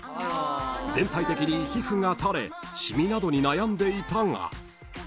［全体的に皮膚が垂れ染みなどに悩んでいたが］